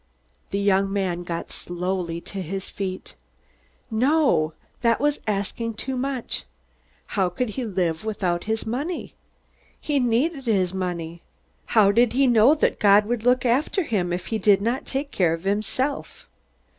The young man got slowly to his feet. No! That was asking too much! How could he live without his money? He needed his money. How did he know that God would look after him if he did not take care of himself?